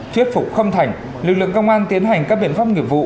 thuyết phục khâm thành lực lượng công an tiến hành các biện pháp nghiệp vụ